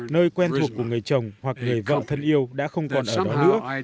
nơi quen thuộc của người chồng hoặc người vợ thân yêu đã không còn ở đó nữa